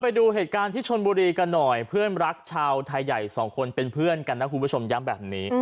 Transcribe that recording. ไปดูเหตุการณ์ที่ชนบุรีกันหน่อยเพื่อนรักชาวไทยใหญ่สองคนเป็นเพื่อนกันนะคุณผู้ชมย้ำแบบนี้